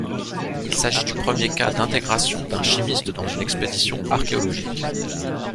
Il s'agit du premier cas d'intégration d'un chimiste dans une expédition archéologique.